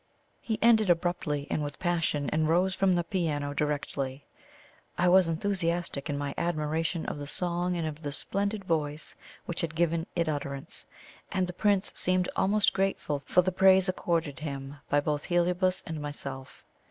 '" He ended abruptly and with passion, and rose from the piano directly. I was enthusiastic in my admiration of the song and of the splendid voice which had given it utterance, and the Prince seemed almost grateful for the praise accorded him both by Heliobas and myself.